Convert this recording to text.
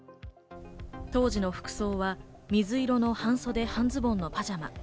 当時の服装は水色の半袖、半ズボンのパジャマ。